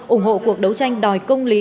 ủng hộ cuộc đấu tranh đòi công lý